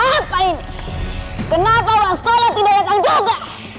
apa ini kenapa hon skola tidak datang juga